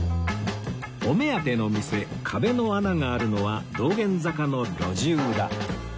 お目当ての店壁の穴があるのは道玄坂の路地裏